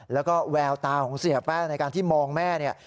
แล้วก็แววตาของเสียแป้งในการที่มองแม่เนี่ย